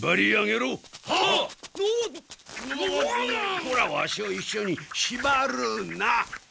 こらワシをいっしょにしばるな！